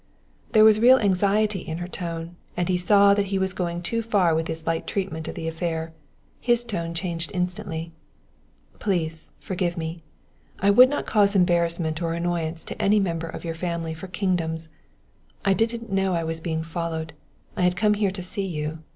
There was real anxiety in her tone, and he saw that he was going too far with his light treatment of the affair. His tone changed instantly. "Please forgive me! I would not cause embarrassment or annoyance to any member of your family for kingdoms. I didn't know I was being followed I had come here to see you.